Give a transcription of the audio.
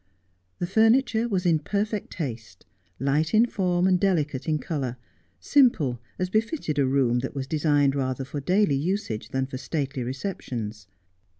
The furniture was in perfect taste, light in form and delicate in colour, simple as befitted a room that was designed rather for daily usage than for stately receptions.